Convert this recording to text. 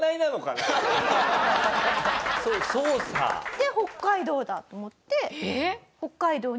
で「北海道だ！」と思って。